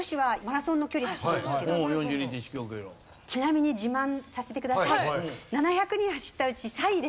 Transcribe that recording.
ちなみに自慢させてください。